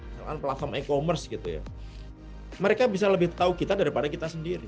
misalkan platform e commerce gitu ya mereka bisa lebih tahu kita daripada kita sendiri